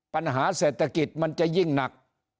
ปัญหาเศรษฐกิจมันจะยิ่งหนัก